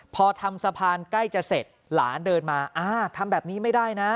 พอทำสะพานใกล้จะเสร็จหลานเดินมาอ่าทำแบบนี้ไม่ได้นะ